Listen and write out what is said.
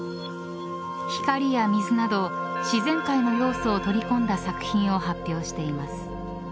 光や水など自然界の要素を取り込んだ作品を発表しています。